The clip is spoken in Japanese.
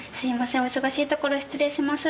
お忙しいところ失礼します。